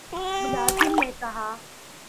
ملازم نے کہا